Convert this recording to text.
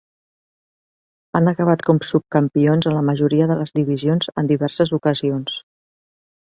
Han acabat com subcampions en la majoria de les divisions en diverses ocasions.